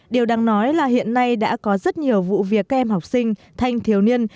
điều đáng nói là hiện nay đã có rất nhiều vụ việc các em học sinh thanh thiếu niên